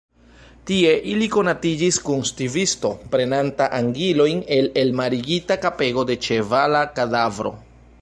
Tie ili konatiĝis kun stivisto, prenanta angilojn el elmarigita kapego de ĉevala kadavro.